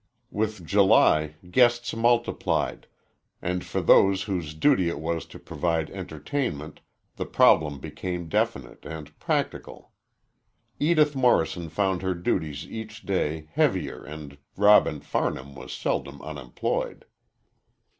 With July, guests multiplied, and for those whose duty it was to provide entertainment the problem became definite and practical. Edith Morrison found her duties each day heavier and Robin Farnham was seldom unemployed.